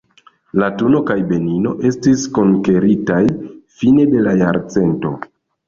Latuno kaj Benino estis konkeritaj fine de la jarcento.